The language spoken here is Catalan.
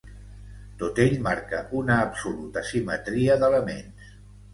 Tot ell marca una absoluta simetria d'elements.